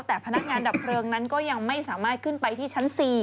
แต่พนักงานดับเพลิงนั้นก็ยังไม่สามารถขึ้นไปที่ชั้น๔